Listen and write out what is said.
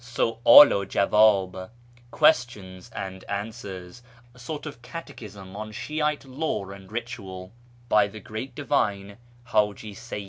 Su'dl u Jawdh ("Questions and Answers"), a sort of catechism on Shi'ite law and ritual, by the great divine Htiji 556